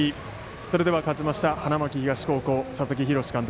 それでは勝ちました花巻東高校、佐々木洋監督。